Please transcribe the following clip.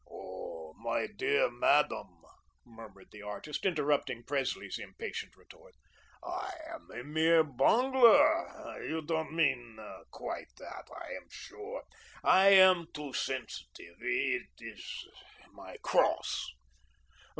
"Oh, my dear Madame," murmured the artist, interrupting Presley's impatient retort; "I am a mere bungler. You don't mean quite that, I am sure. I am too sensitive. It is my cross.